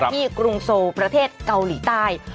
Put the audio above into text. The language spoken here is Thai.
กรุงโซประเทศเกาหลีใต้